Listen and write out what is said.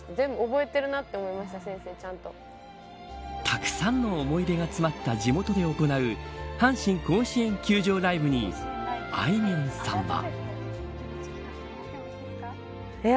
たくさんの思い出が詰まった地元で行う阪神甲子園球場ライブにあいみょんさんは。